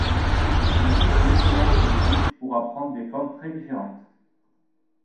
Une goutte ruisselant sur une vitre pourra prendre des formes très différentes.